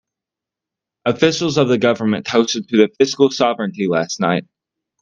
Officials of the government toasted the fiscal sovereignty last night.